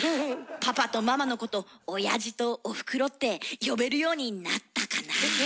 パパとママのことおやじとおふくろって呼べるようになったかなあ。